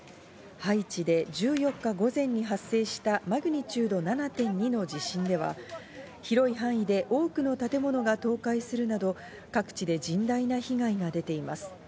ハイチで１４日午前に発生したマグニチュード７．２の地震では、広い範囲で多くの建物が倒壊するなど各地で甚大な被害が出ています。